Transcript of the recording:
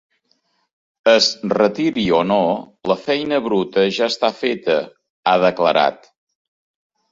Es retiri o no, la feina bruta ja està feta, ha declarat.